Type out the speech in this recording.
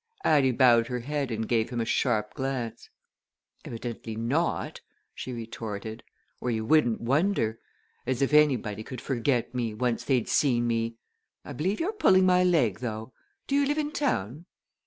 Addie bowed her head and gave him a sharp glance. "Evidently not!" she retorted. "Or you wouldn't wonder! As if anybody could forget me, once they'd seen me! I believe you're pulling my leg, though. Do you live in town?"